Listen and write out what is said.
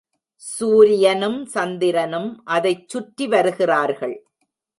சூரியனும் சந்திரனும் அதைச் சுற்றி வருகிறார்கள்.